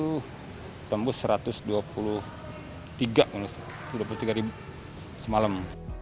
kita tembus satu ratus dua puluh tiga ribu semalam